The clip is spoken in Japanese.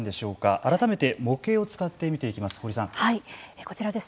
改めて模型を使って見ていきます。